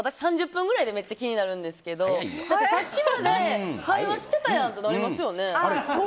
３０分ぐらいでめっちゃ気になるんですけどさっきまで会話してたやんってなりますよね？